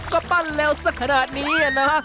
ก็ปั้นเร็วสักขนาดนี้นะ